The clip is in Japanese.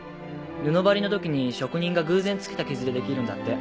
布張りの時に職人が偶然つけた傷で出来るんだって。